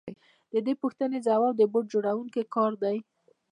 د دې پوښتنې ځواب د بوټ جوړونکي کار دی